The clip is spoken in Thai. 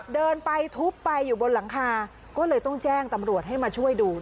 เดินไปทุบไปอยู่บนหลังคาก็เลยต้องแจ้งตำรวจให้มาช่วยดู